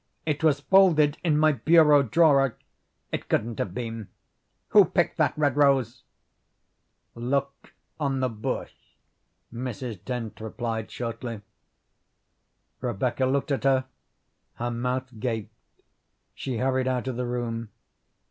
"It was folded in my bureau drawer." "It couldn't have been." "Who picked that red rose?" "Look on the bush," Mrs. Dent replied shortly. Rebecca looked at her; her mouth gaped. She hurried out of the room.